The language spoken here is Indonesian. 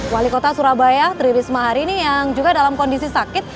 wali kota surabaya tri risma hari ini yang juga dalam kondisi sakit